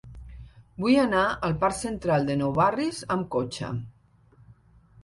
Vull anar al parc Central de Nou Barris amb cotxe.